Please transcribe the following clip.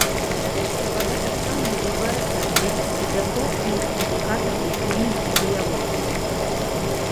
Цяжкая вада таксама ўжываецца як ізатопны індыкатар у хіміі і біялогіі.